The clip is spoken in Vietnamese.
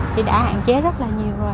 thì đã hạn chế rất là nhiều rồi